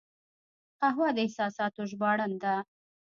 قهوه د احساساتو ژباړن ده